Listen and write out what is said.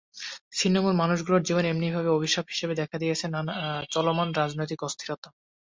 ছিন্নমূল মানুষগুলোর জীবনে এমনিতেই অভিশাপ হিসেবে দেখা দিয়েছে চলমান রাজনৈতিক অস্থিরতা।